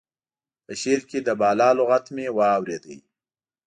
په شعر کې د بالا لغت مې واورېد.